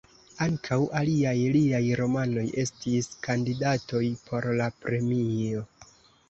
Ankaŭ aliaj liaj romanoj estis kandidatoj por la premio.